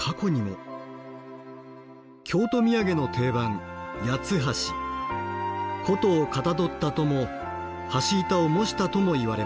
京都土産の定番琴をかたどったとも橋板を模したともいわれます。